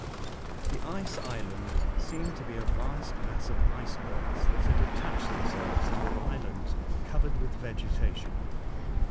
The Ice Island. seemed to be a vast mass of icebergs that had attached themselves to an island covered with vegetation.